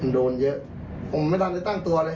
มันโดนเยอะผมไม่ทันโดยตั้งตัวเลย